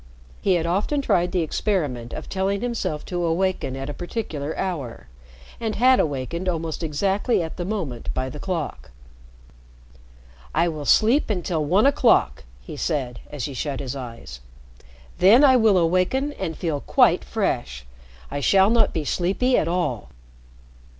He had often tried the experiment of telling himself to awaken at a particular hour, and had awakened almost exactly at the moment by the clock. "I will sleep until one o'clock," he said as he shut his eyes. "Then I will awaken and feel quite fresh. I shall not be sleepy at all."